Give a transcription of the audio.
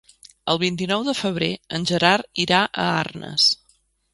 El vint-i-nou de febrer en Gerard irà a Arnes.